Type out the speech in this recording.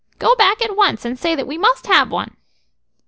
Go back at once, and say that we must have one."